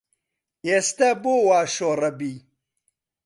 ئێستە بۆ وا شۆڕەبی